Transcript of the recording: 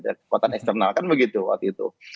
kekuatan eksternal kan begitu waktu itu